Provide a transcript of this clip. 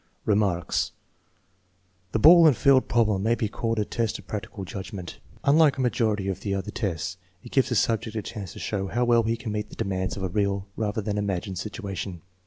Remarks. The ball and field problem may be called a test of practical judgment. Unlike a majority of the other tests, it gives the subject a chance to show how well he can meet the demands of a real, rather than an imagined, situation.